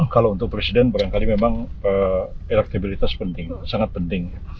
kalau untuk presiden barangkali memang elektabilitas penting sangat penting